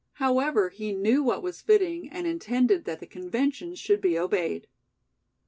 However, he knew what was fitting and intended that the conventions should be obeyed.